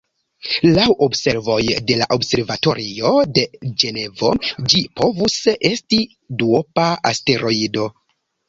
Laŭ observoj de la Observatorio de Ĝenevo, ĝi povus esti duopa asteroido.